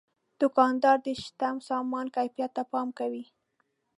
دوکاندار د شته سامان کیفیت ته پام کوي.